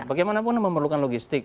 bagaimanapun memerlukan logistik